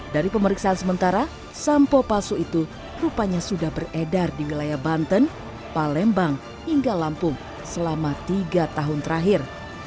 dari pemeriksaan sementara sampo palsu itu rupanya sudah beredar di wilayah banten palembang hingga lampung selama tiga tahun terakhir